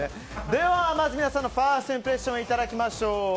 ではまず、皆さんのファーストインプレッションいただきましょう。